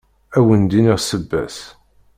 Ad wen-d-iniɣ ssebba-s.